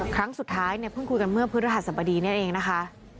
ครั้งสุดท้ายเพิ่งคุยกันเมื่อพฤตรฐรรษฐรรปดีเนี่ยเองนะคะ